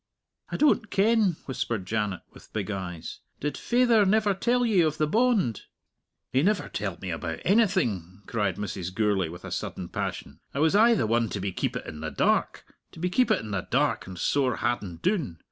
"I don't ken," whispered Janet, with big eyes. "Did faither never tell ye of the bond?" "He never telled me about anything," cried Mrs. Gourlay, with a sudden passion. "I was aye the one to be keepit in the dark to be keepit in the dark and sore hadden doon.